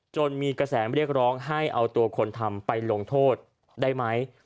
มีกระแสเรียกร้องให้เอาตัวคนทำไปลงโทษได้ไหม